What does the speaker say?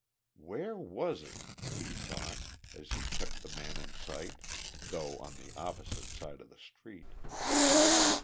"Where was it?" he thought, as he kept the man in sight, though on the opposite side of the street.